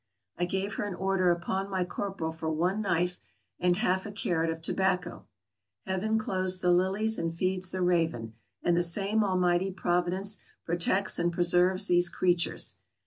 I gave her an order upon my corporal for one knife and half a carrot of tobacco. Heaven clothes the lilies and feeds the raven, and the same Almighty Providence protects and preserves these creatures.